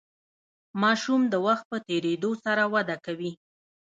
ماشوم د وخت په تیریدو سره وده کوي.